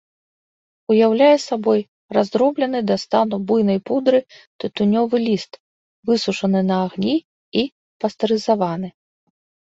Уяўляе сабой раздроблены да стану буйной пудры тытунёвы ліст, высушаны на агні і пастэрызаваны.